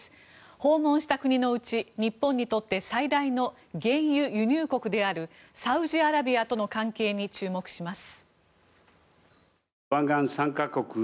訪問した国のうち日本にとって最大の原油輸入国であるサウジアラビアとの関係に注目します。